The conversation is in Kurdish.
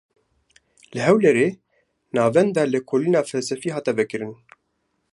Li Hewlêrê, Navenda Lêkolîna Felsefî hate vekirin